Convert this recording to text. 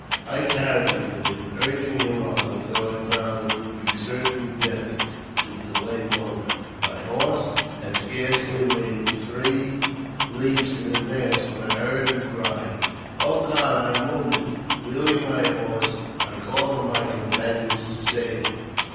I tarried with him, urging him on, until I found it would be certain death to delay longer. My horse had scarcely made three leaps in advance when I heard him cry, " Oh, God, I am wounded !" Wheeling my horse, I called on my companions to save him